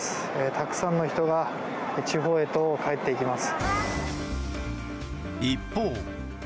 たくさんの人が地方へと帰っていきます。